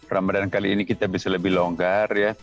ramadan kali ini kita bisa lebih longgar ya